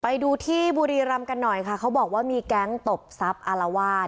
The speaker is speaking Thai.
ไปดูที่บุรีรำกันหน่อยค่ะเขาบอกว่ามีแก๊งตบทรัพย์อารวาส